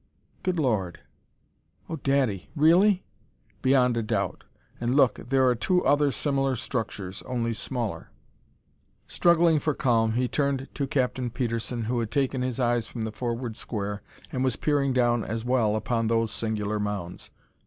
"Good Lord!" "Oh, daddy! Really?" "Beyond a doubt! And look there are two other similar structures, only smaller!" Struggling for calm, he turned to Captain Petersen, who had taken his eyes from the forward square and was peering down as well upon those singular mounds.